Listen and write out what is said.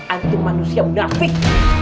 antum manusia munafik